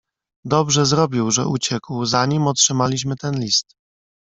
"Dobrze zrobił, że uciekł, zanim otrzymaliśmy ten list."